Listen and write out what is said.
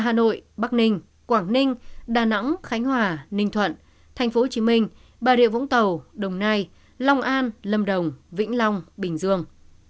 hà nội bắc ninh quảng ninh đà nẵng khánh hòa ninh thuận tp hcm bà rịa vũng tàu đồng nai long an lâm đồng vĩnh long bình dương